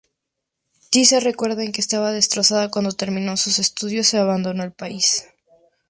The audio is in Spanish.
Tessa recuerda en que estaba "destrozada" cuando terminó sus estudios y abandonó el país.